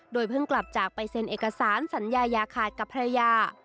เพิ่งกลับจากไปเซ็นเอกสารสัญญายาขาดกับภรรยา